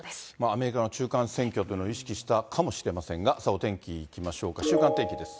アメリカの中間選挙を意識したかもしれませんが、さあ、お天気いきましょうか、週間天気です。